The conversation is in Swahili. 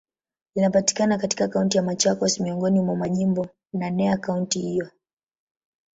Linapatikana katika Kaunti ya Machakos, miongoni mwa majimbo naneya kaunti hiyo.